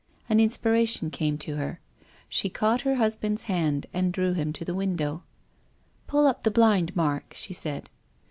An inspiration came to her. She caught her husband's hand and drew him to the window. " Pull up the blind, Mark," she said.